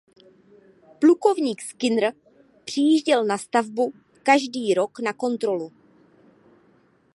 Plukovník Skinner přijížděl na stavbu každý rok na kontrolu.